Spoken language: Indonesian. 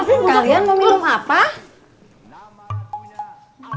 ibu kalian tahu kalian nonton di sini